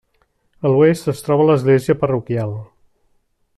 A l'oest es troba l'església parroquial.